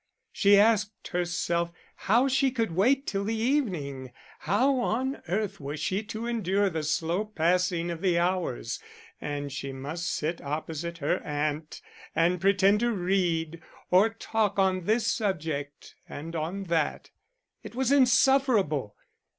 She asked herself how she could wait till the evening; how on earth was she to endure the slow passing of the hours? And she must sit opposite her aunt and pretend to read, or talk on this subject and on that. It was insufferable.